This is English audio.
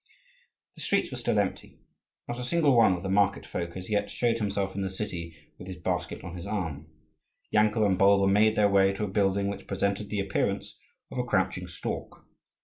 The streets were still asleep. Not a single one of the market folk as yet showed himself in the city, with his basket on his arm. Yankel and Bulba made their way to a building which presented the appearance of a crouching stork.